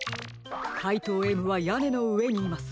かいとうＭはやねのうえにいます。